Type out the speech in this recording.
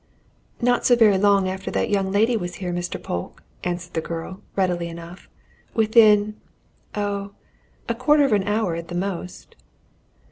"Not so very long after that young lady was here, Mr. Polke," answered the girl, readily enough. "Within oh, a quarter of an hour at the most."